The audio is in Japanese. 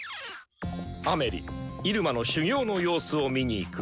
アメリ入間の修行の様子を見に行く。